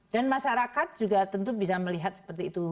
dan masyarakat juga tentu bisa melihat seperti itu